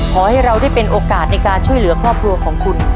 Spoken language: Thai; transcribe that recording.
ขอให้เราได้เป็นโอกาสในการช่วยเหลือครอบครัวของคุณ